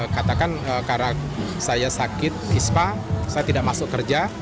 katakan karena saya sakit ispa saya tidak masuk kerja